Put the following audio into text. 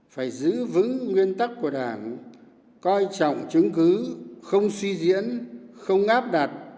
phải giữ vững nguyên tắc của đảng coi trọng chứng cứ không suy diễn không áp đặt